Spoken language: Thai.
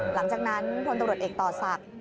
หลังจากนั้นพนทรตเอกต่อสัตว์